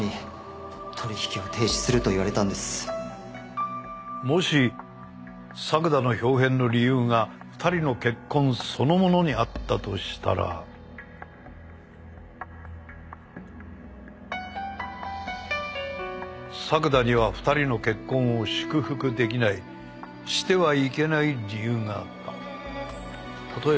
取り引きを停止すると言われたんですもし作田のひょう変の理由が２人の結婚そのものにあったとしたら作田には２人の結婚を祝福できないしてはいけない理由があった。